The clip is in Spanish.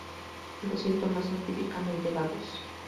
Los síntomas son típicamente vagos.